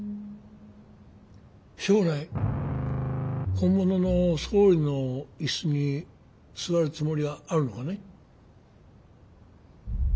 将来本物の総理のいすに座るつもりはあるのかね？